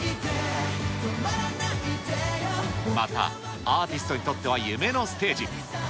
またアーティストにとっては夢のステージ。